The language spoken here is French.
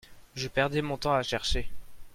Je perdais mon temps à chercher.